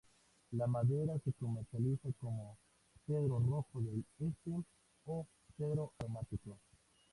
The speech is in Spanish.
La madera se comercializa como "cedro rojo del este" o "cedro aromático".